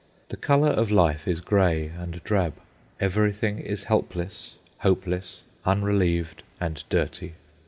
The colour of life is grey and drab. Everything is helpless, hopeless, unrelieved, and dirty.